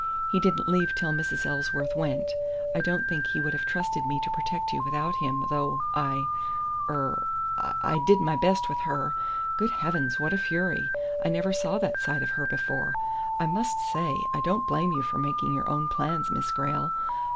He didn't leave till Mrs. Ellsworth went. I don't think he would have trusted me to protect you without him, though I er I did my best with her. Good heavens, what a fury! I never saw that side of her before! I must say, I don't blame you for making your own plans, Miss Grayle.